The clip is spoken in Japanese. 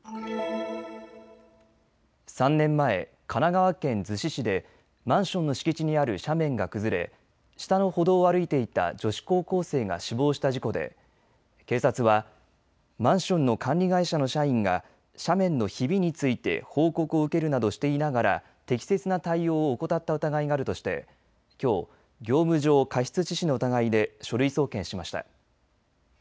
３年前、神奈川県逗子市でマンションの敷地にある斜面が崩れ下の歩道を歩いていた女子高校生が死亡した事故で警察はマンションの管理会社の社員が斜面のひびについて報告を受けるなどしていながら適切な対応を怠った疑いがあるとしてきょう業務上過失致死の疑いで書類送検しました。